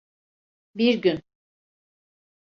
Bir gün.